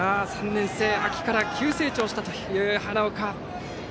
３年生、秋から急成長したという花岡。